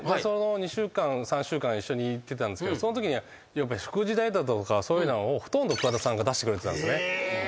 ２週間３週間一緒に行ってたんですけどそのときには食事代だとかそういうのはもうほとんど桑田さんが出してくれてたんですね。